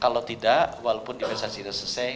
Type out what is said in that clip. kalau tidak walaupun investasi sudah selesai